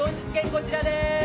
こちらです